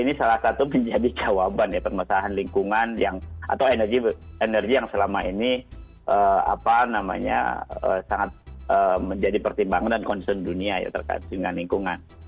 ini salah satu menjadi jawaban ya permasalahan lingkungan atau energi yang selama ini apa namanya sangat menjadi pertimbangan dan concern dunia ya terkait dengan lingkungan